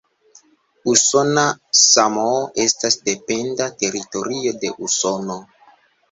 Usona Samoo estas dependa teritorio de Usono.